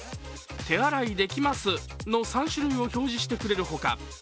「手洗いできます」の３種類を表示してくれるほか